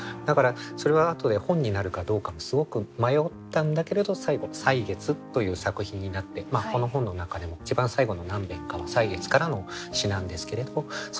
だからそれは後で本になるかどうかもすごく迷ったんだけれど最後「歳月」という作品になってこの本の中でも一番最後の何べんかは「歳月」からの詩なんですけれど。